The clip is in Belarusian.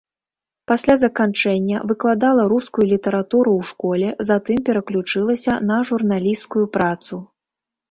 Пасля заканчэння выкладала рускую літаратуру ў школе, затым пераключылася на журналісцкую працу.